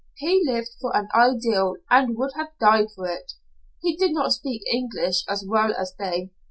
He lived for an ideal and would have died for it. He did not speak English as well as they.